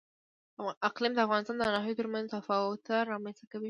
اقلیم د افغانستان د ناحیو ترمنځ تفاوتونه رامنځ ته کوي.